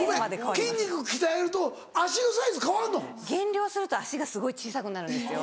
筋肉鍛えると足のサイズ変わるの⁉減量すると足がすごい小さくなるんですよ。